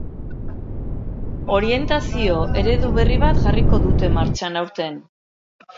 Orientazio eredu berri bat jarriko dute martxan aurten.